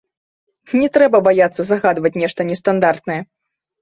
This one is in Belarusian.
Не трэба баяцца загадваць нешта нестандартнае.